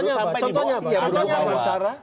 contohnya apa yang berubah sarak